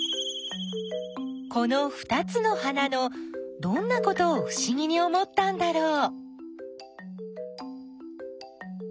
このふたつの花のどんなことをふしぎに思ったんだろう？